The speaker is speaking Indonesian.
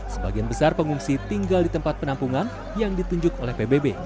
sebagian besar pengungsi tinggal di tempat penampungan yang ditunjuk oleh pbb